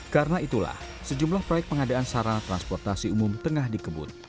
karena itulah sejumlah proyek pengadaan sarang transportasi umum tengah dikebut